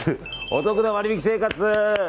おトクな割引生活。